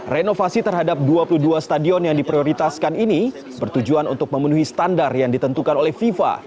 renovasi terhadap dua puluh dua stadion yang diprioritaskan ini bertujuan untuk memenuhi standar yang ditentukan oleh fifa